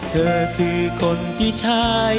เธอคือคนที่สุดท้าย